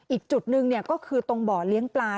อีกจุดหนึ่งก็คือตรงบ่อเลี้ยงปลา